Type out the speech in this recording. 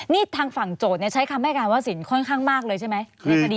นี่ทางฝั่งโจทย์ใช้คำให้การว่าสินค่อนข้างมากเลยใช่ไหมในคดี